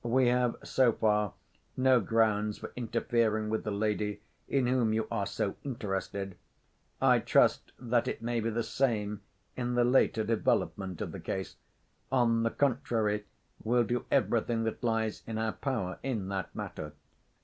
"We have, so far, no grounds for interfering with the lady in whom you are so interested. I trust that it may be the same in the later development of the case.... On the contrary, we'll do everything that lies in our power in that matter.